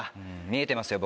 見えてますよ